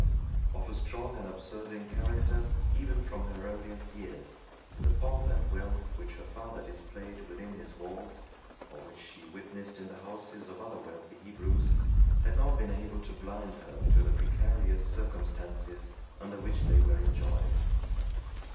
Of a strong and observing character, even from her earliest years, the pomp and wealth which her father displayed within his walls, or which she witnessed in the houses of other wealthy Hebrews, had not been able to blind her to the precarious circumstances under which they were enjoyed.